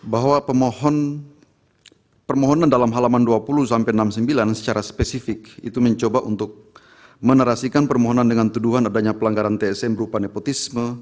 bahwa pemohon dalam halaman dua puluh sampai enam puluh sembilan secara spesifik itu mencoba untuk menerasikan permohonan dengan tuduhan adanya pelanggaran tsm berupa nepotisme